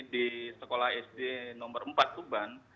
di sekolah sd nomor empat tuban